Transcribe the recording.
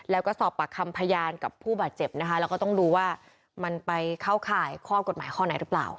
แล้วก็สอบปากคำพยานกับผู้บาดเจ็บนะคะแล้วก็ต้องดูว่ามันไปเข้าข่ายข้อกฎหมายข้อไหนหรือเปล่า